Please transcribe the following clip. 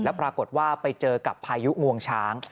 ปรากฏว่าไปเจอกับพายุงวงช้าง